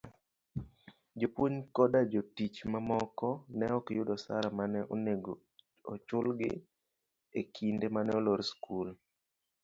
jopuonj koda jotich mamoko, ne okyud osara mane onego ochulgi ekinde mane olor skul.